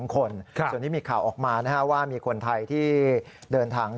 คนส่วนนี้มีข่าวออกมาว่ามีคนไทยที่เดินทาง